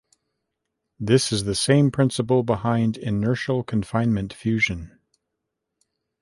This is the same principle behind inertial confinement fusion.